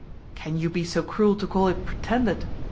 "Can you be so cruel to call it pretended?"